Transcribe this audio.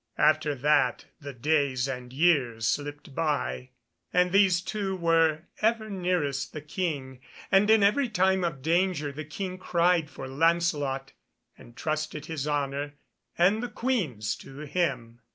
After that the days and years slipped by, and these two were ever nearest the King, and in every time of danger the King cried for Lancelot, and trusted his honour and the Queen's to him.